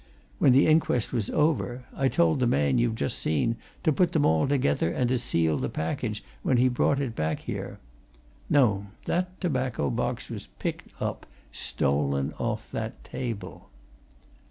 When the inquest was over, I told the man you've just seen to put them all together and to seal the package when he brought it back here. No that tobacco box was picked up stolen off that table."